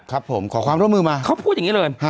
ครับผมขอความร่วมมือมาเขาพูดอย่างนี้เลย